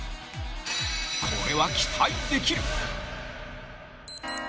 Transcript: ［これは期待できる］